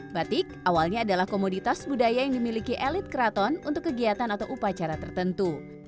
batik awalnya adalah komoditas budaya yang dimiliki elit keraton untuk kegiatan atau upacara tertentu